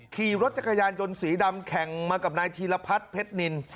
ขี่รถจักรยานยนต์สีดำแข่งมากับนายธีรพัฒน์เพชรนิน